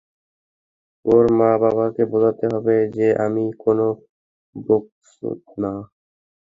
ওর মা-বাবাকে বোঝাতে হবে যে আমি কোনো বোকচোদ না।